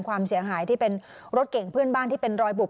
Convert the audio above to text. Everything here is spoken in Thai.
ความเสียหายที่เป็นรถเก่งเพื่อนบ้านที่เป็นรอยบุบ